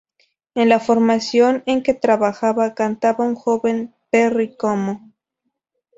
En la formación en que trabajaba cantaba un joven Perry Como.